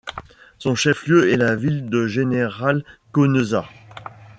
Son chef-lieu est la ville de General Conesa.